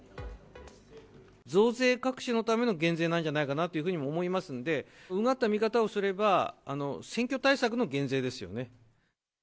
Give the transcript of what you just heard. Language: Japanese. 増税隠しのための減税なんじゃないかなというふうにも思いますんで、うがった見方をすれば、選挙対策の減税ですよね。